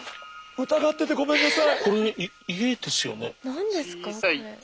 疑っててごめんなさい！